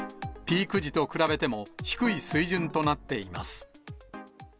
ピーク時と比べても、低い水準となっています。